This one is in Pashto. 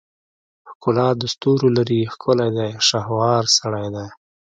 ښکلا دستورولري ښکلی دی شهوار سړی دی